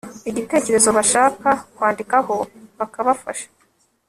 igitekerezo bashaka kwandikaho bakabafasha